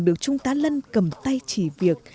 được trung tán lân cầm tay chỉ việc